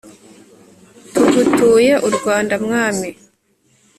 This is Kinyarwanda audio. tugutuye u rwanda mwami